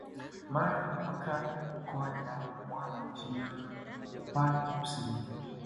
Mara imepakana na mikoa jirani ya Mwanza na Shinyanga upande wa kusini